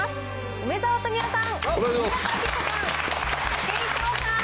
梅沢富美男さん。